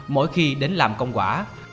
mỗi khi đến làm công quả